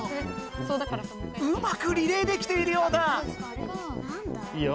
うまくリレーできているようだ！いいよ。